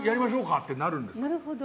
ってなるんですよ。